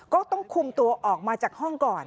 ก็ต้องคุมตัวออกมาจากห้องก่อน